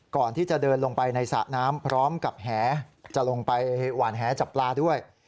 ก่อนที่จะเดินลงไปในสระน้ำพร้อมกับแหจะลงไปหวานแหจับปลาด้วย